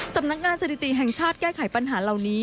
สำนักงานสถิติแห่งชาติแก้ไขปัญหาเหล่านี้